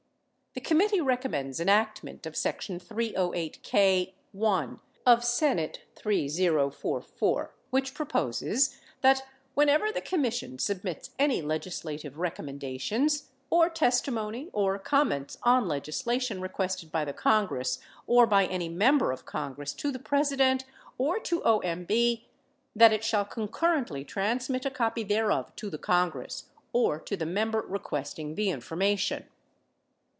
The committee recommends enactment of section 308 (k) (1) of S. 3044 which proposes that whenever the Com mission submits any legislative recommendations, or testimony or com ments on legislation requested by the Congress or by any Member of Congress to the President or to OMB, that it shall concurrently trans mit a copy thereof to the Congress or to the Member requesting the information.